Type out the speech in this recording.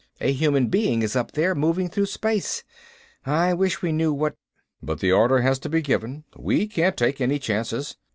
A human being is up there, moving through space. I wish we knew what " "But the order has to be given. We can't take any chances.